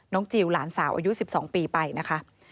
น้องจิ๋วหลานสาวอายุ๑๒ปีไปนะคะ